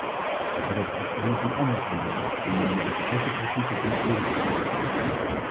Er is echter nog een ander probleem: we nemen onze eigen principes niet serieus.